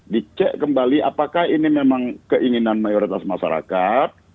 dicek kembali apakah ini memang keinginan mayoritas masyarakat